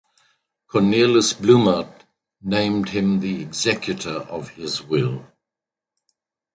Cornelis Bloemaert named him the executor of his will.